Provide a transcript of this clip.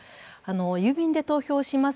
郵便で投票します